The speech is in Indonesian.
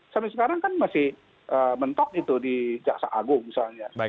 sampai sekarang kan masih mentok itu di jaksa agung misalnya